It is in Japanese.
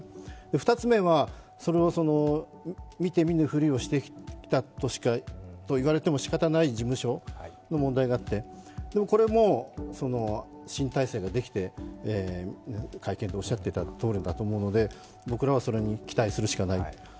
２つ目は、それを見て見ぬふりをしてきたと言われてもしかたない事務所の問題があってこれも新体制ができて、会見でおっしゃっていたとおりだと思うので僕らはそれに期待するしかない。